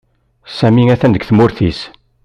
Sami atan deg tmurt is